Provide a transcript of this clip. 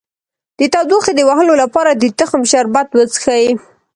د تودوخې د وهلو لپاره د تخم شربت وڅښئ